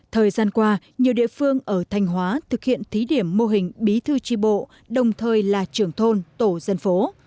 thời gian qua nhiều địa phương ở thanh hóa thực hiện thí điểm mô hình bí thư tri bộ đồng thời là trưởng thôn tổ dân phố